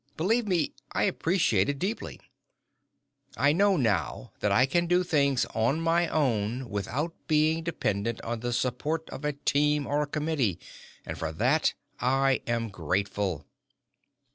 Believe me, I appreciate it deeply. I know now that I can do things on my own without being dependent on the support of a team or a committee, and for that I am grateful.